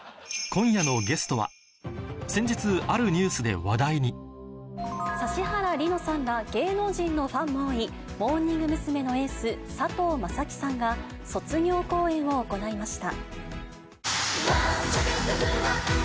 先日あるニュースで話題に指原莉乃さんら芸能人のファンも多いモーニング娘。のエース佐藤優樹さんが卒業公演を行いました。